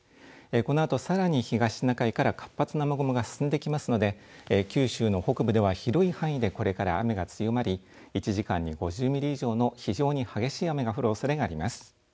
このあとさらに東シナ海から活発な雨雲が進んできますので九州の北部では広い範囲でこれから雨が強まり１時間に５０ミリ以上の非常に激しい雨が降るおそれがあります。